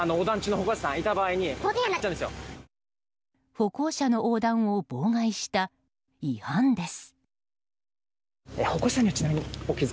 歩行者の横断を妨害した違反です。